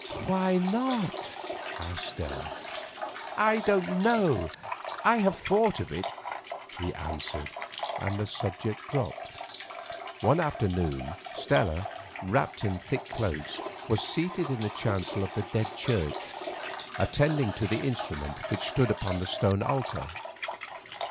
"Why not?" asked Stella. "I don't know, I have thought of it," he answered, and the subject dropped. One afternoon Stella, wrapped in thick cloaks, was seated in the chancel of the Dead Church attending to the instrument which stood upon the stone altar.